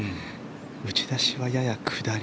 打ち出しはやや下り